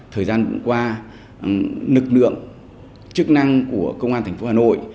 thời gian qua lực lượng chức năng của công an thành phố hà nội